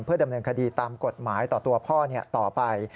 ดำเนินคดีตามกฎหมายต่อตัวพ่อต่อไป